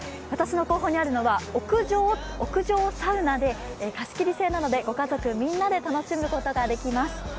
私の後方にあるのは屋上サウナで貸し切り制なのでご家族みんなで楽しむことができます。